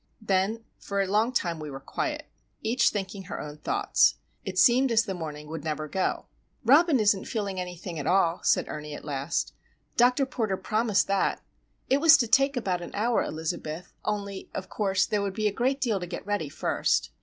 Then for a long time we were quiet, each thinking her own thoughts. It seemed as the morning would never go. "Robin isn't feeling anything at all," said Ernie, at last. "Dr. Porter promised that. It was to take about an hour, Elizabeth, only, of course, there would be a great deal to get ready first.